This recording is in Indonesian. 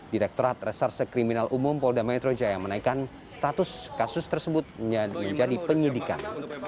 direkturat reserse kriminal umum polda metro jaya menaikkan status kasus tersebut menjadi penyidikan